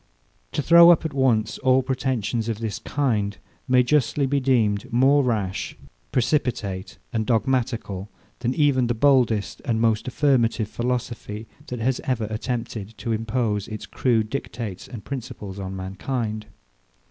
To throw up at once all pretensions of this kind may justly be deemed more rash, precipitate, and dogmatical, than even the boldest and most affirmative philosophy, that has ever attempted to impose its crude dictates and principles on mankind.